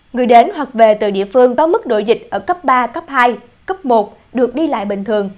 người đến hoặc về từ địa phương có mức độ dịch ở cấp ba cấp hai cấp một được đi lại bình thường